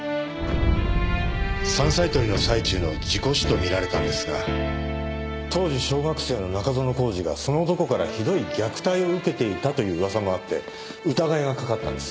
山菜採りの最中の事故死と見られたんですが当時小学生の中園宏司がその男からひどい虐待を受けていたという噂があって疑いがかかったんです。